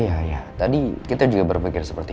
iya iya tadi kita juga berpikir seperti itu